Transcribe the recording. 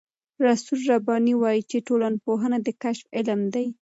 رسول رباني وايي چې ټولنپوهنه د کشف علم دی.